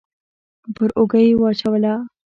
پر اوږه يې واچوله.